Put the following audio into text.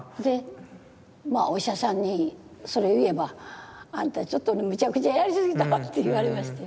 お医者さんにそれを言えば「あんたちょっとむちゃくちゃやりすぎたわ」って言われまして。